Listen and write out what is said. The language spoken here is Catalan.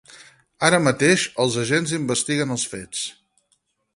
Ara mateix, els agents investiguen els fets.